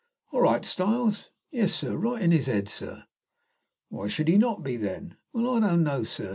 "All right, Styles?" "Yes sir. Right in his head, sir." "Why should he not be, then?" "Well, I don't know, sir.